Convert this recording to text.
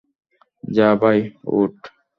যা ভাই ওঠ।